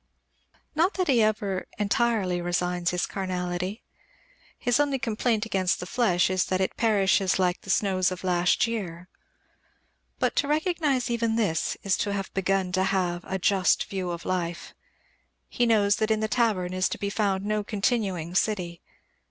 Not that he ever entirely resigns his carnality. His only complaint against the flesh is that it perishes like the snows of last year. But to recognize even this is to have begun to have a just view of life. He knows that in the tavern is to be found no continuing city.